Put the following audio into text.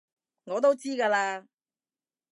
我都知㗎喇